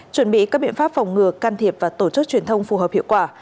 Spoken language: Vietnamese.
chuẩn bị các biện pháp phòng ngừa can thiệp và tổ chức truyền thông phù hợp hiệu quả